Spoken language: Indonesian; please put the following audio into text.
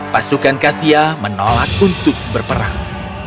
pasukan katia menolak untuk berperang